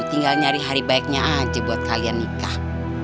tinggal nyari hari baiknya aja buat kalian nikah